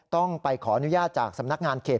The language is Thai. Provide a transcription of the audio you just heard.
ต้องไปขออนุญาตจากสำนักงานเขต